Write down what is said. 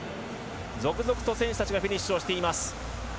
続々と選手たちがフィニッシュしています。